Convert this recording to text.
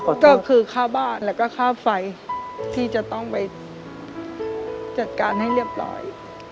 ก็คือค่าบ้านแล้วก็ค่าไฟที่จะต้องไปจัดการให้เรียบร้อย